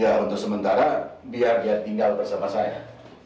ya untuk sementara biar dia tinggal bersama saya